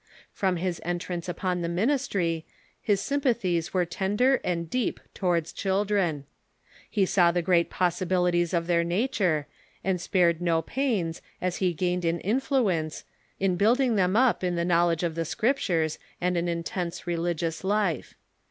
From his entrance upon the ministry his sympathies were tender and deep towards children. He saw the great 324 THE MODERN CHURCH possibilities of their nature, and spared no pains, as he gained in influence, in building them up in the knowledge of the Script ures and an intense religious life.